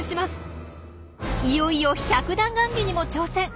いよいよ百段ガンギにも挑戦。